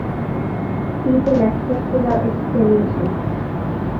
People accepted our explanations.